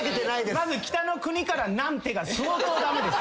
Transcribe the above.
まず「『北の国から』なんて」が相当駄目です。